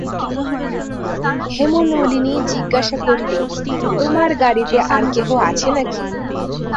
হেমনলিনী জিজ্ঞাসা করিল, তোমার গাড়িতে আর-কেহ আছে নাকি?